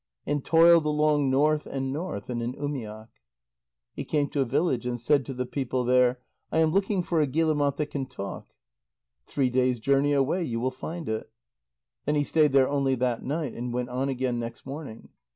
And toiled along north and north in an umiak. He came to a village, and said to the people there: "I am looking for a guillemot that can talk." "Three days' journey away you will find it." Then he stayed there only that night, and went on again next morning.